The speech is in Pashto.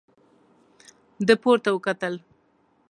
ده پورته وکتل.